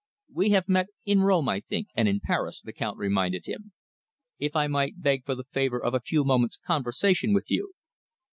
"We have met in Rome, I think, and in Paris," the Count reminded him. "If I might beg for the favour of a few moments' conversation with you."